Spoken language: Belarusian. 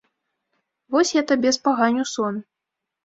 Вось я табе спаганю сон!